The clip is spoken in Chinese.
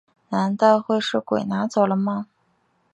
难道会是鬼拿走了吗